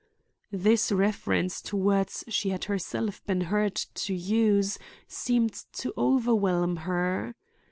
This reference to words she had herself been heard to use seemed to overwhelm her.